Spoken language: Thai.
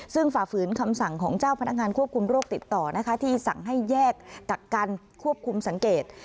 ซึ่งฝ่าฝืนคำสั่งของเจ้าพนักงานควบคุมโรคติดต่อนะคะที่สั่งให้แยกกักกันควบคุมสังเกต